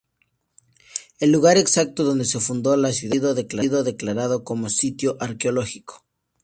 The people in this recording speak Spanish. El lugar exacto donde se fundó la ciudad ha sido declarado como sitio arqueológico.